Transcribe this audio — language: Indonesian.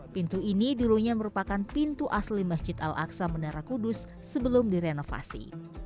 pintu ini dulunya merupakan pintu asli masjid al aqsa menara kudus sebelum direnovasi